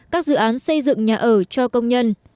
các dự án xây dựng nhà ở cho công nhân